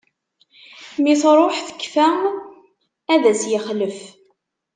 Mi truḥ tekfa, ad as-yexlef.